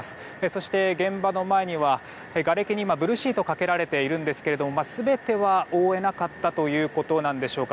そして現場の前には、がれきにブルーシートがかけられていますが全ては覆えなかったということなんでしょうか